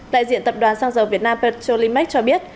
tại diện tập đoàn sang dầu việt nam petrolimex cho biết